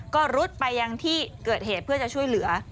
ก็รุดไปยังที่เกิดเหตุเพื่อจะช่วยเหลือ